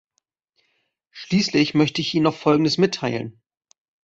Schließlich möchte ich Ihnen noch folgendes mitteilen.